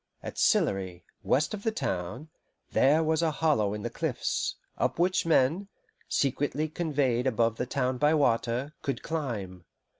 At Sillery, west of the town, there was a hollow in the cliffs, up which men, secretly conveyed above the town by water, could climb.